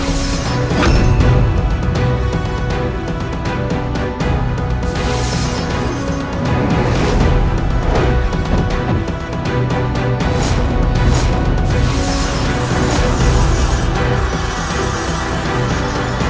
aku akan menangkapmu